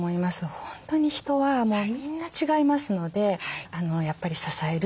本当に人はみんな違いますのでやっぱり支える。